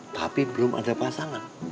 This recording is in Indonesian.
tapi belum ada pasangan